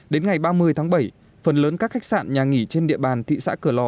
đến ngày ba mươi tháng bảy phần lớn các khách sạn nhà nghỉ trên địa bàn thị xã cửa lò